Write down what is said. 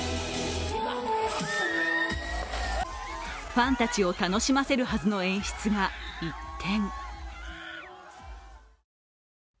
ファンたちを楽しませるはずの演出が一転。